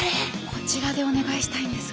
こちらでお願いしたいんですが。